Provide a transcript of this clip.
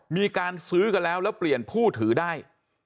มีการซื้อกันแล้วแล้วเปลี่ยนผู้ถือได้